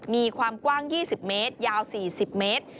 มีความกว้าง๒๐เมตรยาว๔๐เมตร